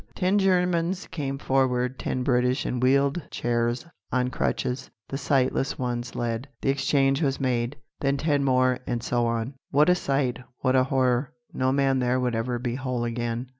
Ten Germans came forward, ten British, in wheeled chairs, on crutches, the sightless ones led. The exchange was made. Then ten more, and so on. What a sight! What a horror! No man there would ever be whole again.